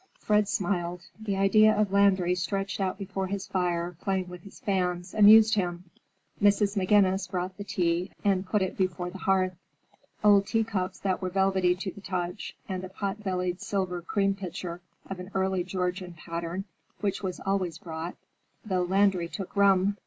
Fred smiled. The idea of Landry stretched out before his fire playing with his fans, amused him. Mrs. McGinnis brought the tea and put it before the hearth: old teacups that were velvety to the touch and a pot bellied silver cream pitcher of an Early Georgian pattern, which was always brought, though Landry took rum.